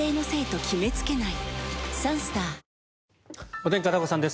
お天気、片岡さんです。